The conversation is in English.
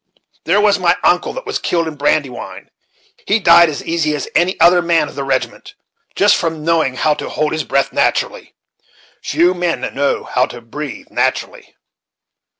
'There was my uncle that was killed at Brandywine he died as easy again as any other man the regiment, just from knowing how to hold his breath naturally. Few men know how to breathe naturally."